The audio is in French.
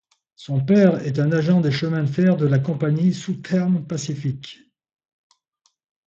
Son père est un agent des chemins de fer de la compagnie Southern Pacific.